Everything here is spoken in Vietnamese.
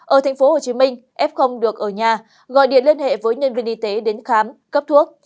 ở thành phố hồ chí minh f được ở nhà gọi điện liên hệ với nhân viên y tế đến khám cấp thuốc